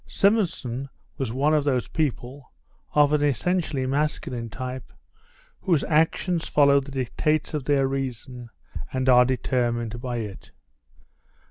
Simonson was one of those people (of an essentially masculine type) whose actions follow the dictates of their reason, and are determined by it.